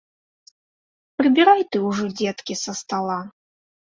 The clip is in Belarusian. Прыбірай ты ўжо, дзеткі, са стала.